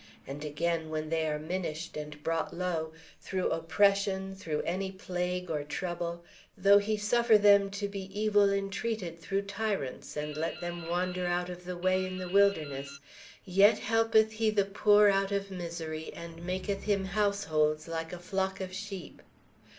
"And again, when they are minished, and brought low: through oppression, through any plague or trouble; though He suffer them to be evil intreated through tyrants: and let them wander out of the way in the wilderness; yet helpeth He the poor out of misery: and maketh him households like a flock of sheep.